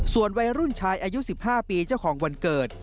ส่วนวัยรุ่นชายอายุ๑๕ปีเจ้าของวันเกิด